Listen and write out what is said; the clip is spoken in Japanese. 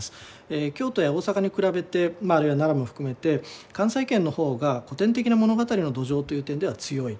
京都や大阪に比べてあるいは長野も含めて関西圏の方が古典的な物語の土壌という点では強い。